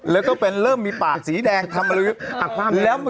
แล้วก็เป็นเริ่มมีปากสีแดงทำอะไร